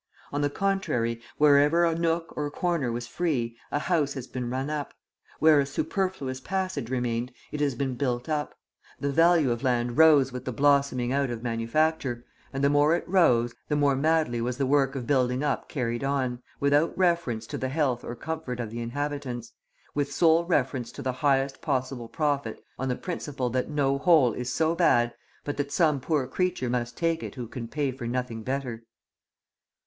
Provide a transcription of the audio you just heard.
On the contrary, wherever a nook or corner was free, a house has been run up; where a superfluous passage remained, it has been built up; the value of land rose with the blossoming out of manufacture, and the more it rose, the more madly was the work of building up carried on, without reference to the health or comfort of the inhabitants, with sole reference to the highest possible profit on the principle that no hole is so bad but that some poor creature must take it who can pay for nothing better.